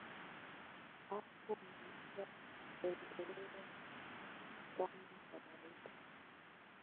hapo maisha huendelea kama kawaida